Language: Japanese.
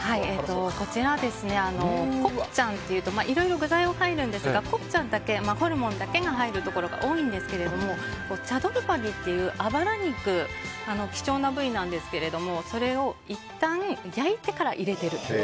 こちらはコプチャンというといろいろ具材は入るんですけどコプチャンだけホルモンだけが入るところが多いんですけどチャドルバギという、あばら肉希少な部位なんですけどそれをいったん、焼いてから入れてる。